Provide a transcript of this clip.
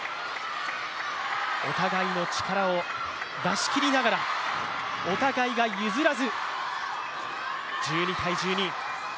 お互いの力を出し切りながら、お互いが譲らず１２−１２。